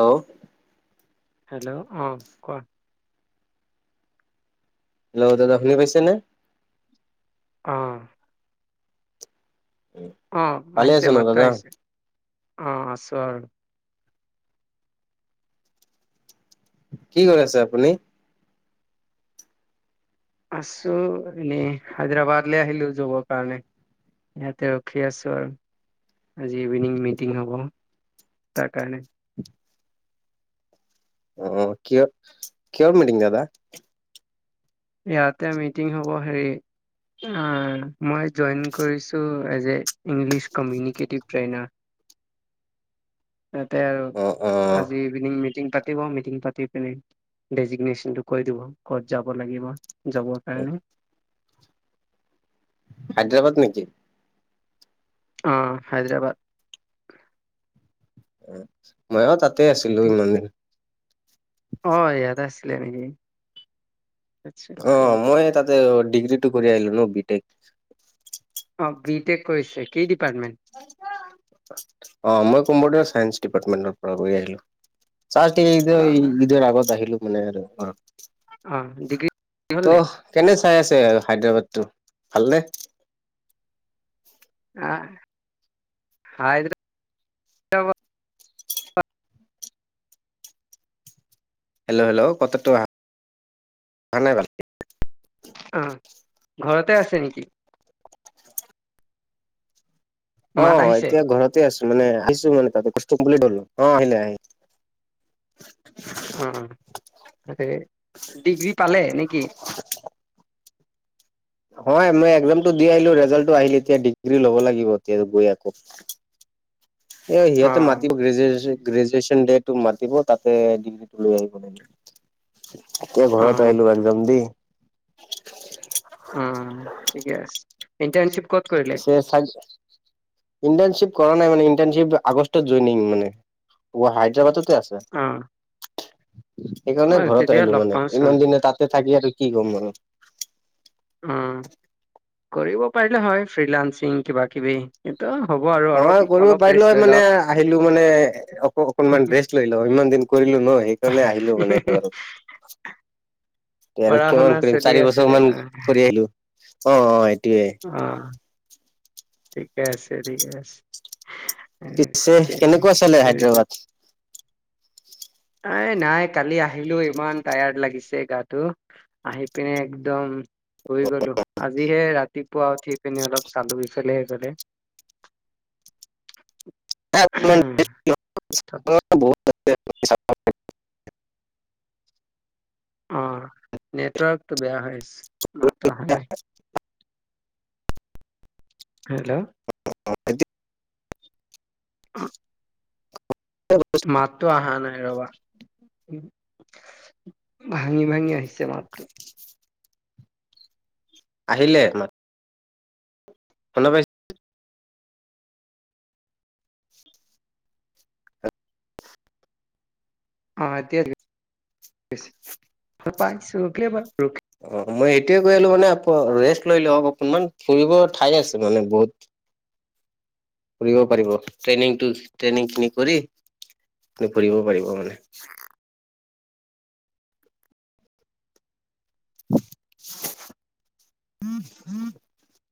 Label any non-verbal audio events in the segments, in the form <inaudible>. ও। Hello অ কোৱা। Hello দাদা শুনি পাইছেনে। অঁ। অঁ ভালে আহিছে আছে ন মাতটো দাদা? আহিছে অঁ আছোঁ আৰু। কি কৰি আছে আপুনি। আছো এনেই হায়দৰাবাদলে আহিলো যাগৰ কাৰণে। ইয়াতে ৰখি আছো আৰু। আজি ইভিনিং মিটিং হ'ব তাৰ কাৰণে। অ কিয় কিহৰ মিটিং দাদা। ইয়াতে মিটিং হ'ব হেৰি অ মই জইন কৰিছো এযে। English communicative ত্ৰেইনা। ততে আৰু অ' অ' আজি ইভিনং মিটিং পাতিব মিটিং পাতি পিনে। ডেজিগনেশ্যনটো কৈ দিব ক'ত যাব লাগিব যাবৰ কাৰণে। হাইদ্ৰবাদ নেকি। অ হাইদৰাবাদ। মইও তাতে আছিলো ইমানে। অ ইয়াত আছিলে নেকি। আচ্ছা অ ক'ত মই তাতে ডিগ্ৰীটো কৰি আহিলো ন বি টেক। অ বি টেক কৰিছে কি দিপাৰ্তমে। অ মই কম্পিউটাৰ চাইন্স ডিপাৰ্টমেন্টৰ পৰা কৰি আহিলো অ <unintelligible> আগত আহিলো মানে অ অ ডিগ্ৰী হল নে কেনে চাই আছে হায়দৰাবাদ টো ভালনে হা ভাল হেল্ল হেল্ল কথাটো অ অহা নাই ভালকে অ ঘৰতে আছে নেকি অ মাত আহিছে এতিয়া ঘৰতে আছো মানে আহিছো মানে তাতে বস্তু বুলি ধলো অ আহিলে আহিলে উম তাকে ডিগ্ৰী পালে নেকি হয় মই একজামটো দি আহিলো ৰিজাল্টতো আহিল এতিয়া ডিগ্ৰী লব লাগিব এতিয়া গৈ আকৌ এ অ সিহঁতে মাতি গ্ৰেজু গ্ৰেজুৱেচন ডেট মাতিব তাতে ডিগ্ৰীটো লৈ আহিব এতিয়া অ ঘৰত আহিলো একজাম দি উম ঠিকে আছে ইণ্টানচিপ কত কৰিম তাতে‌ চাইডে ইণ্টাৰ্ণশ্বিপ কৰা নাই মানে ইণ্টাৰ্ণশ্বিপ আগষ্টত জইনিং মানে হায়দৰাবাদত তে অ আছে অ সেইকাৰণে ঘৰত তেতিয়া আহিলো লগ মানে পাওঁচোন ইমান দিনে তাতে থাকি আৰু কি ক'ম মানে উম কৰিব পাৰিলে হয় ফ্ৰিলানসিং কিবা কিবি কিন্তু হ'ব আৰু অ অলপ কৰিব অলপ পাৰিলো ৰেষ্ট হয় লৈ মানে লওক আহিলো মানে অক অকনমান ৰেচ ৰেচ লৈ লও ইমান দিন কৰিলো ন সেইকাৰণে আহিলো মানে ঘৰত আৰু পঢ়া কিমান শুনা কৰিম চলি চাৰি আছিলে বছৰ মান কৰি আহিলো অ অ সেইটোয়ে অ ঠিকে আছে ঠিকে আছে পিছে অকে কেনেকুৱা চলে ভেৰি হায়দৰাবাদ নাই নাই কালি আহিলো ইমান টায়াৰ্ড লাগিছে গাটো আহি পিনে একদম শুই গলো আজিহে ৰাতিপুৱা উঠি পিনি অলপ চালো ইফালে সিফালে তাৰপিছত <unintelligible> অ নেটৱৰ্কটো বেয়া হৈছে মাতটো অহা নাই <unintelligible> হেল্ল <unintelligible> মা টো অহা নাই ৰবা ভাঙি ভাঙি আহিছে মাতটো আহিলে শুনা পাইছে অ এতিয়া <unintelligible> অ মই এইটোয়ে কৈ আহিলো মানে আ ৰেষ্ট লৈ লও অকনমান ফুৰিব ঠাই আছে মানে বহুত ফুৰিব পাৰিব ট্ৰেইনিংতো ট্ৰেইনিং খিনি কৰি ত ফুৰিব পাৰিব মানে <unintelligible>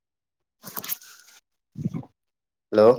হেল্ল